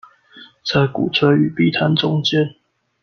在鼓吹與避談中間